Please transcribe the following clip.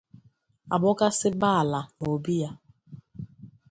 abọkasịba ala n’obi ya